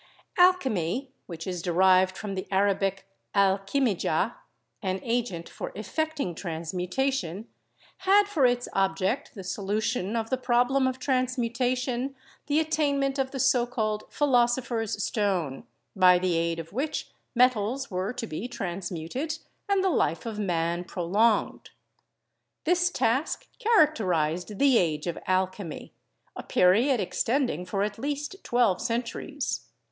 THE CHEMICAL CONCEPTION 7 Alchemy, which is derived from the Arabic 'al kimija,' an agent for effecting transmutation, had for its object the solution of the problem of transmutation, the attainment of the so called "philosopher's stone," by the aid of which metals were to be transmuted and the life of man pro longed. This task characterized the Age of Alchemy, a period extending for at least twelve centuries.